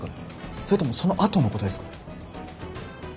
それともそのあとのことですかね？